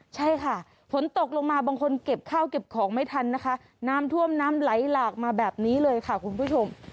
ใช่ค่ะฝนตกลงมาบางคนเก็บข้าวเก็บของไม่ทันนะคะน้ำท่วมน้ำไหลหลากมาแบบนี้เลยค่ะคุณผู้ชม